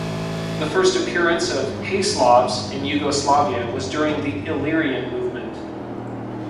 The first appearance of "Hey, Slavs" in Yugoslavia was during the Illyrian movement.